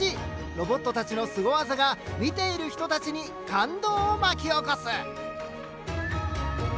ロボットたちのすご技が見ている人たちに感動を巻き起こす！